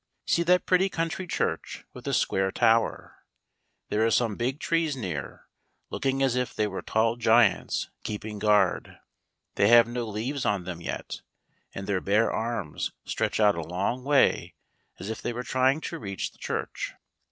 See that pretty country church, with the square tower. There are some big trees near, looking as if they were tall giants keeping guard; they have no leaves on them yet, and their bare arms stretch out a long way as if they were trying to reach the church.